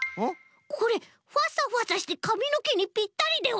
これファサファサしてかみのけにぴったりでは？